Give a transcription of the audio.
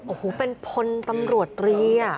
โอ้โหเป็นพลตำรวจตรี